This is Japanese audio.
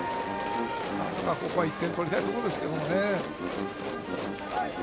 なんとかここは１点取りたいところです。